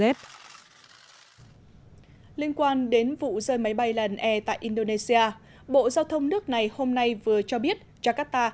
liên quan đến vụ rơi máy bay lần e tại indonesia bộ giao thông nước này hôm nay vừa cho biết jakarta